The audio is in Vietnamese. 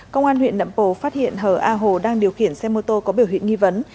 công an huyện nậm pồ phát hiện hờ a hồ đang điều khiển xe mô tô có biểu hiện nghi vấn